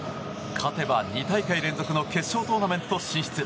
勝てば２大会連続の決勝トーナメント進出。